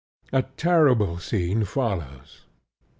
A terrible scene follows.